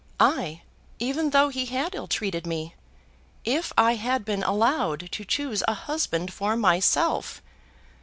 ay, even though he had ill treated me, if I had been allowed to choose a husband for myself.